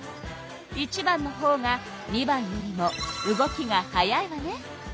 １番のほうが２番よりも動きが速いわね。